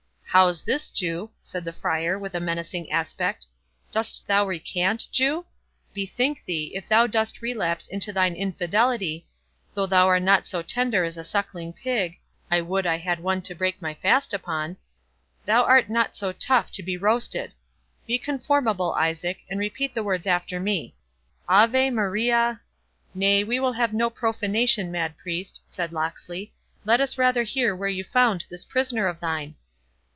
"How's this, Jew?" said the Friar, with a menacing aspect; "dost thou recant, Jew?—Bethink thee, if thou dost relapse into thine infidelity, though thou are not so tender as a suckling pig—I would I had one to break my fast upon—thou art not too tough to be roasted! Be conformable, Isaac, and repeat the words after me. 'Ave Maria'!—" "Nay, we will have no profanation, mad Priest," said Locksley; "let us rather hear where you found this prisoner of thine."